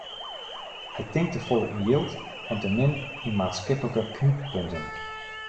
Hy tinkt te folle yn jild en te min yn maatskiplike knyppunten.